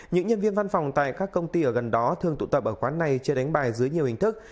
những nhân viên văn phòng tại các công ty ở gần đó thường tụ tập ở quán này chưa đánh bài dưới nhiều hình thức